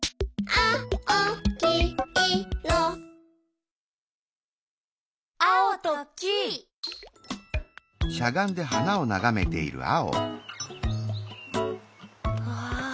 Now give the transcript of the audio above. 「あおきいろ」わ。